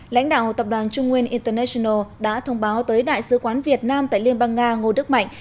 lãnh đạo tập đoàn trung nguyên international đã thông báo tới đại sứ quán việt nam tại liên bang nga ngô đức mạnh